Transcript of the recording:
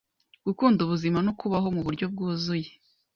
Gukunda ubuzima no kubaho muburyo bwuzuye